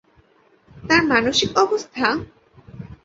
তার মানসিক অবস্থা?